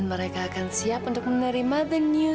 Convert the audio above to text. aku akan buat satu rumah ini benci sama kamu